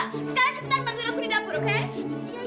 sekarang cepetan bantu aku di dapur okay